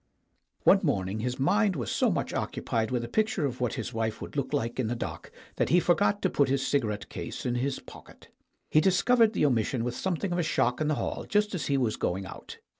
One morning his mind was so much occupied with a picture of what his wife would look like in the dock that he forgot to put his cigarette case in his pocket. He discovered the omission with something of a shock in the hall just as he was going out.